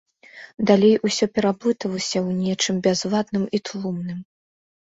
Далей усё пераблыталася ў нечым бязладным і тлумным.